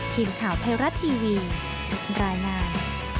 ทีมข่าวไทยรัฐทีวีรายงาน